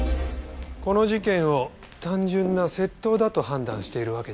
この事件を単純な窃盗だと判断しているわけですか。